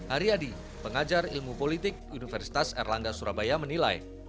ariyadi pengajar ilmu politik universitas erlanda surabaya menilai